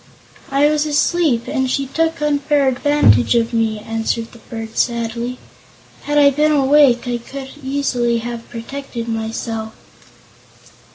"I was asleep, and she took unfair advantage of me," answered the bird sadly. "Had I been awake, I could easily have protected myself."